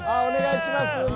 お願いします